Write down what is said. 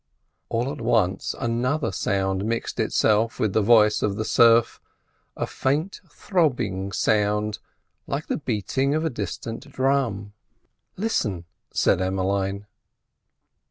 All at once another sound mixed itself with the voice of the surf—a faint, throbbing sound, like the beating of a distant drum. "Listen!" said Emmeline.